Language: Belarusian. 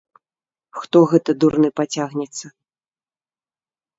Хто гэта дурны пацягнецца!